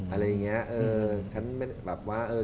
อะไรอย่างนี้